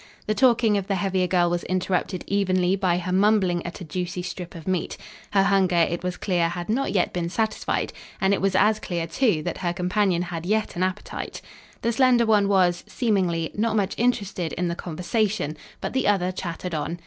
The talking of the heavier girl was interrupted evenly by her mumbling at a juicy strip of meat. Her hunger, it was clear, had not yet been satisfied, and it was as clear, too, that her companion had yet an appetite. The slender one was, seemingly, not much interested in the conversation, but the other chattered on.